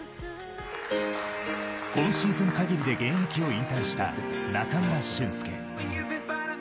今シーズン限りで現役を引退した中村俊輔。